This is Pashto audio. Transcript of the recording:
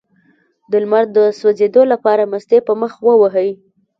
د لمر د سوځیدو لپاره مستې په مخ ووهئ